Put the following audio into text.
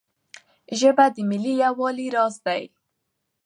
ژبه د ملي یووالي راز دی.